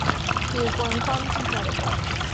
He was born in Farmington, Connecticut.